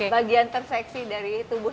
bagian terseksi dari tubuh